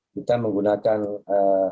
kita menggunakan ee